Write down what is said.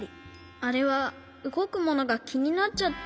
あれはうごくものがきになっちゃって。